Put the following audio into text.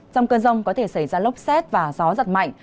trong cơn rông có thể xảy ra lốc xét và gió giật mạnh